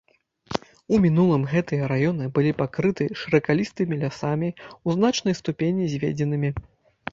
У мінулым гэтыя раёны былі пакрыты шыракалістымі лясамі, у значнай ступені зведзенымі.